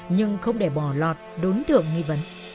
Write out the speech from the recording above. nhưng không để bỏ lọt đốn thưởng nghi vấn